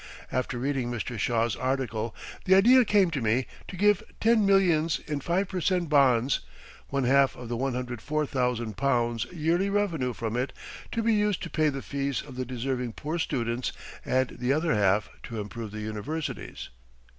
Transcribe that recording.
After reading Mr. Shaw's article the idea came to me to give ten millions in five per cent bonds, one half of the £104,000 yearly revenue from it to be used to pay the fees of the deserving poor students and the other half to improve the universities.